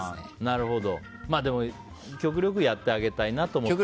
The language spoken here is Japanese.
でも、極力やってあげたいなと思ってるんだ。